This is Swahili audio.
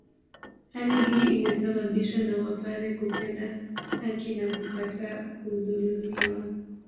Hali hii imesababishwa na wapare kupenda haki na kukataa kuzulumiwa